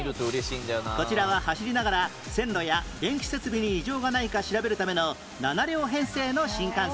こちらは走りながら線路や電気設備に異常がないか調べるための７両編成の新幹線